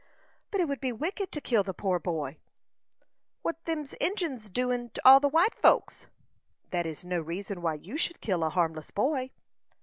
"But it would be wicked to kill the poor boy." "What's them Injins doin' to all the white folks?" "That is no reason why you should kill a harmless boy."